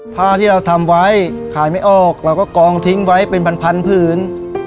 ผ้าที่เราทำไว้ขายไม่ออกเราก็กองทิ้งไว้เป็นพันผืน